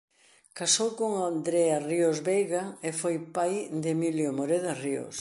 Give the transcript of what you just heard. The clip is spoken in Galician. Casou con Andrea Ríos Veiga e foi pai de Emilio Moreda Ríos.